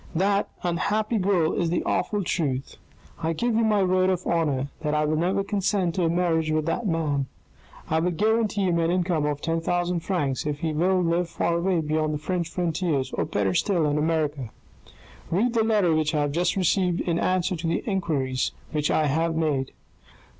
That, unhappy girl, is the awful truth. I give you my word of honour that I will never consent to a marriage with that man. I will guarantee him an income of 10,000 francs if he will live far away beyond the French frontiers, or better still, in America. Read the letter which I have just received in answer to the enquiries which I have made.